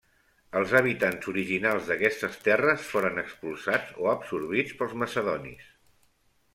Els habitants originals d'aquestes terres foren expulsats o absorbits pels macedonis.